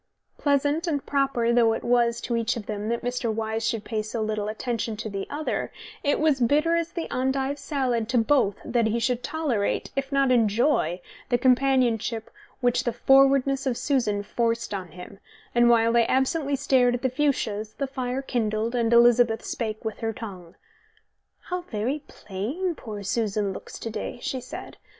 Pleasant and proper though it was to each of them that Mr. Wyse should pay so little attention to the other, it was bitter as the endive salad to both that he should tolerate, if not enjoy, the companionship which the forwardness of Susan forced on him, and while they absently stared at the fuchsias, the fire kindled, and Elizabeth spake with her tongue. "How very plain poor Susan looks to day," she said.